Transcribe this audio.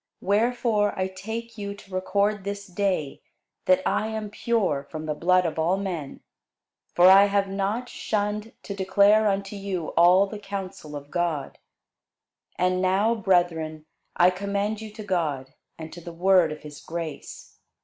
Wherefore I take you to record this day, that I am pure from the blood of all men. For I have not shunned to declare unto you all the counsel of God. And now, brethren, I commend you to God, and to the word of his grace.